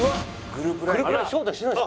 「グループ